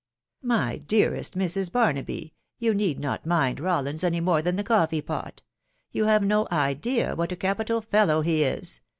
" My dearest Mrs. Barnaby, you need not mind Rs any more than the coffee pot !•..• You have no ides w; capital fellow he is